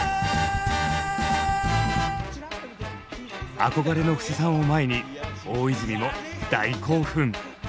憧れの布施さんを前に大泉も大興奮！